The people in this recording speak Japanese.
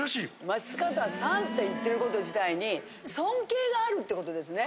桝形さんって言ってること自体に尊敬があるってことですね。